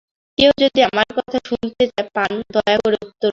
কেউ যদি আমার কথা শুনতে পান, দয়া করে উত্তর দিন।